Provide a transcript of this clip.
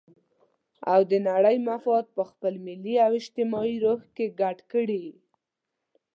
او د نړۍ مفاد په خپل ملي او اجتماعي روح کې ګډ کړي.